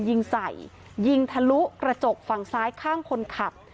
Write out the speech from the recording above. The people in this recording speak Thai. ยิงใส่ยิงทะลุกระจกฝั่งซ้ายข้างคนขับ